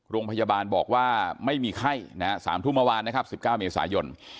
โรงพยาบาลบอกว่าไม่มีไข้นะฮะ๓ทุ่มเมื่อวานนะครับ๑๙เมษายน